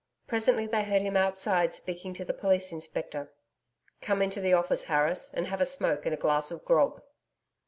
Presently they heard him outside speaking to the Police Inspector. 'Come into the office, Harris, and have a smoke and a glass of grog.'